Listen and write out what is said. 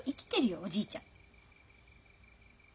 おじいちゃん。